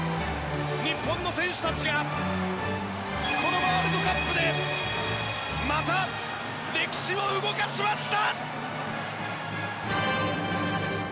日本の選手たちがこのワールドカップでまた歴史を動かしました！